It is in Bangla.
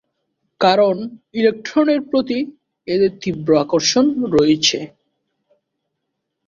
কারণ, ইলেকট্রনের প্রতি এদের তীব্র আকর্ষণ রয়েছে।